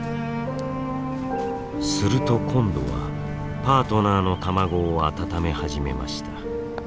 すると今度はパートナーの卵を温め始めました。